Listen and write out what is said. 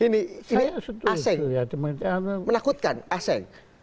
ini aseng menakutkan aseg